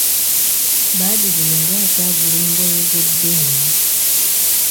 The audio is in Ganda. Badru yali akyagula engoye z'ebbeeyi.